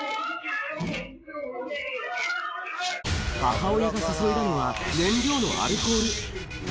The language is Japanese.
母親が注いだのは、燃料のアルコール。